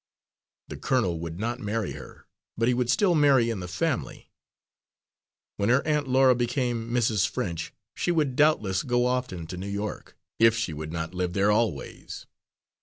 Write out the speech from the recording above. The colonel would not marry her, but he would still marry in the family. When her Aunt Laura became Mrs. French, she would doubtless go often to New York, if she would not live there always.